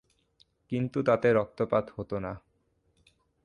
কিন্তু তাতে রক্তপাত হতো না।